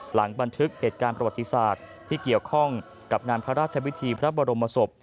บันทึกเหตุการณ์ประวัติศาสตร์ที่เกี่ยวข้องกับงานพระราชวิธีพระบรมศพ